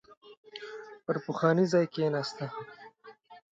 پر پخواني ځای کېناسته.